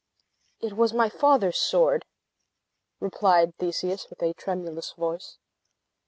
"It was my father's sword," replied Theseus, with a tremulous voice.